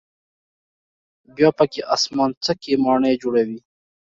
بیا پکې آسمانڅکې ماڼۍ جوړوي.